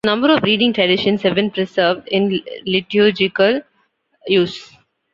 A number of reading traditions have been preserved in liturgical use.